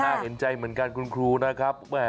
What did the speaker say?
เห็นใจเหมือนกันคุณครูนะครับ